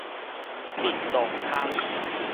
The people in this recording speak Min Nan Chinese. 覕洞空